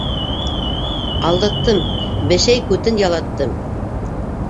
- Алдаттым, бешәй күтен ялаттым!